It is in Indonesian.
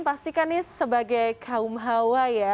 pastikan nih sebagai kaum hawa ya